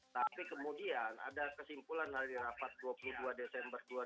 tapi kemudian ada kesimpulan dari rapat dua puluh dua desember dua ribu dua puluh